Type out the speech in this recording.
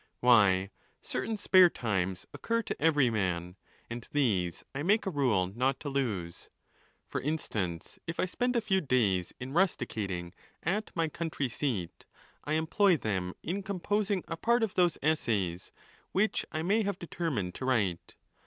—Why, certain spare times occur to every man, and these I make a rule not to lose. For instance, if I spend a few days in rusticating at my country seat, I employ them in composing a part of those essays which I may have deter mined to write.